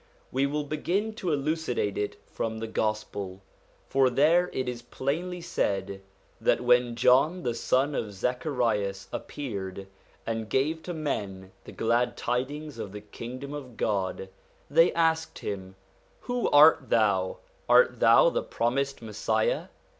We will begin to elucidate it from the Gospel, for there it is plainly said that when John the son of Zacharias appeared, and gave to men the glad tidings of the Kingdom of God, they asked him :* Who art thou ? Art thou the promised Messiah